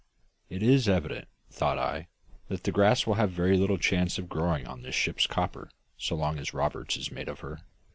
"It is evident," thought I, "that the grass will have very little chance of growing on this ship's copper so long as Roberts is mate of her.